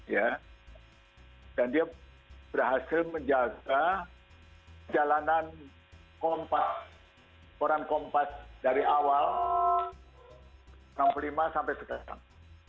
ya dan dia berhasil menjaga jalanan koran kompas dari awal enam puluh lima sampai sekarang